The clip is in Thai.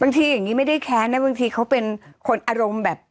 อย่างนี้ไม่ได้แค้นนะบางทีเขาเป็นคนอารมณ์แบบ